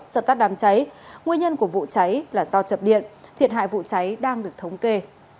sợ các đám cháy nguyên nhân của vụ cháy là do chập điện thiệt hại vụ cháy đang được thống kê